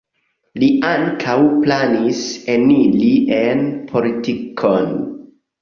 Li ankaŭ planis eniri en politikon.